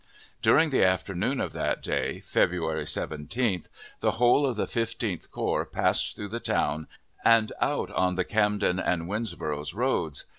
During the afternoon of that day, February 17th, the whole of the Fifteenth Corps passed through the town and out on the Camden and Winnsboro' roads.